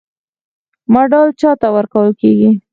مډال چا ته ورکول کیږي؟